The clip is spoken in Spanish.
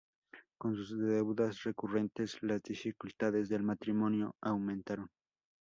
Con sus deudas recurrentes, las dificultades del matrimonio aumentaron.